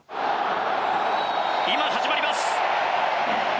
今、始まります。